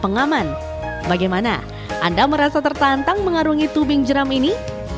pengaman bagaimana anda merasa tertantang mengarungi tubing jeram ini